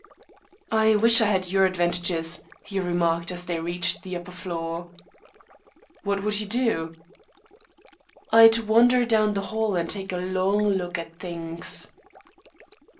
"I wish I had your advantages," he remarked as they reached the upper floor. "What would you do?" "I'd wander down that hall and take a long look at things."